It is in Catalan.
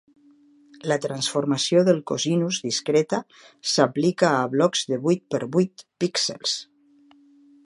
La transformació del cosinus discreta s'aplica a blocs de vuit per vuit píxels.